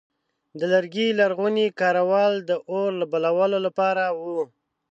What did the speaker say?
د لرګي لرغونی کارول د اور بلولو لپاره و.